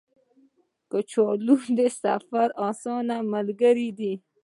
کچالو د سفر اسانه ملګری دی